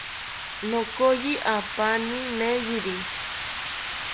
Nokoyi apani meyiri